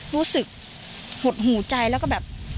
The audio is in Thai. รู้สึกหดหูใจแล้วก็แบบ